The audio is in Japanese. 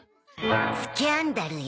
スキャンダルよ。